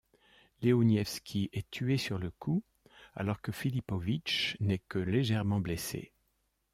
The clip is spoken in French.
Lewoniewski est tué sur le coup alors que Filipowicz n'est que légèrement blessé.